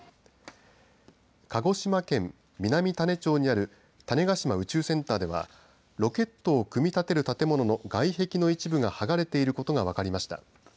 鹿児島県南種子町にある種子島宇宙センターではロケットを組み立てる建物の外壁の一部がはがれていることが分かりました。